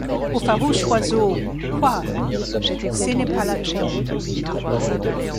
Ô farouches oiseaux ! quoi ! cé n'est pas la trombe